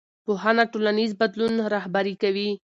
پوهنه ټولنیز بدلون رهبري کوي